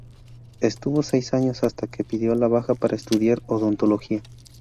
Estuvo seis años, hasta que pidió la baja para estudiar odontología.